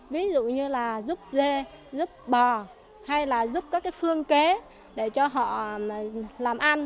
ví dụ như là giúp dê giúp bò hay là giúp các cái phương kế để cho họ làm ăn